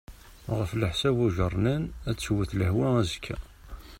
Ɣef leḥsab ujernan, ad tewt lehwa azekka.